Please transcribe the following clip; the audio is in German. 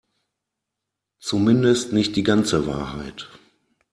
Zumindest nicht die ganze Wahrheit.